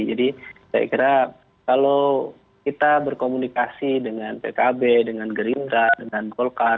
jadi saya kira kalau kita berkomunikasi dengan pkb dengan gerindra dengan golkar